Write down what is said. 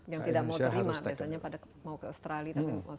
yang tidak mau terima biasanya mau ke australia